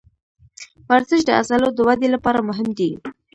ورزش د عضلو د ودې لپاره مهم دی.